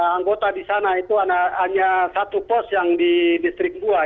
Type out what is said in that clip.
angkota di sana itu hanya satu pos yang di listrik buah